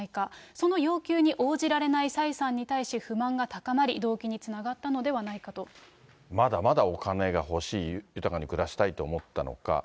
その要求に応じられない蔡さんに対し不満が高まり、動機につながまだまだお金が欲しい、豊かに暮らしたいと思ったのか。